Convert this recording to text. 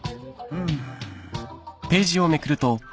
うん？